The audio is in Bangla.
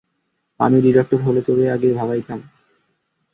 আমি ডিরেক্টর হলে তোরে আগে ভাগাইতাম।